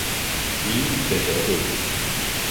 Beat the Devil.